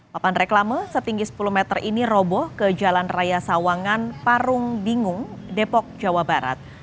papan reklame setinggi sepuluh meter ini roboh ke jalan raya sawangan parung bingung depok jawa barat